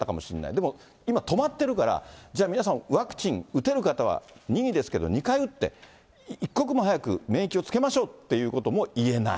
でも今止まってるから、じゃあ皆さんワクチン、打てる方は、任意ですけど２回打って、一刻も早く免疫をつけましょうということも言えない。